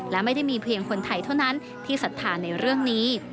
และไม่ได้มีเพียงคนไทยเท่านั้นที่ศรัทธาในเรื่องนี้